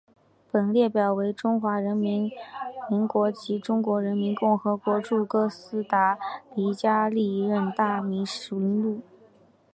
本列表为中华民国及中华人民共和国驻哥斯达黎加历任大使名录。